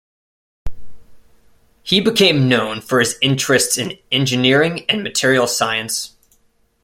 He became known for his interests in engineering and material science.